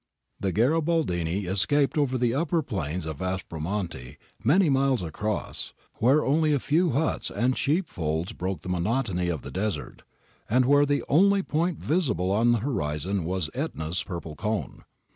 The Garibaldini escaped over the upper plains of Aspromonte, many miles across, where only a few huts and sheepfolds broke the monotony of the desert, and where ' the only point visible on the horizon was Etna's purple cone.